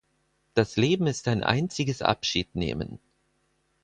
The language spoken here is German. Das Leben ist ein einziges Abschiednehmen.